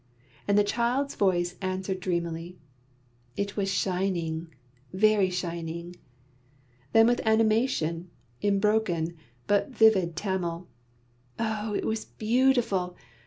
and the child's voice answered dreamily: "It was shining, very shining." Then with animation, in broken but vivid Tamil: "Oh, it was beautiful!